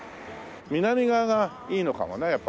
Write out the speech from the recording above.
南側がいいのかもねやっぱね。